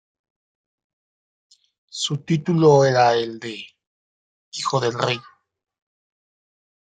Su título era el de "hijo del rey".